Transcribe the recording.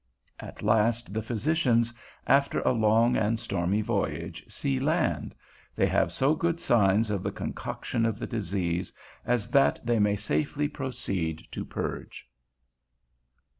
_At last the physicians, after a long and stormy voyage, see land: they have so good signs of the concoction of the disease, as that they may safely proceed to purge.